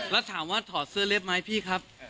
แล้วถามว่าถอดเสื้อเล็บไหมพี่ครับ